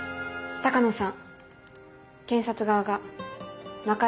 鷹野さん